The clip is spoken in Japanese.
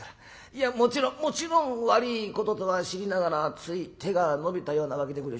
いやもちろんもちろん悪いこととは知りながらつい手が伸びたようなわけでごぜえやして。